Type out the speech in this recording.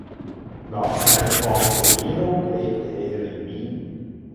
Nach seiner Pensionierung lebte er in Wien.